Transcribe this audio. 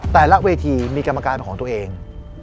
แต่ละเวทีมีกรรมการของตัวเอง